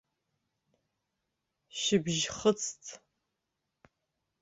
Шьыбжь хыҵт.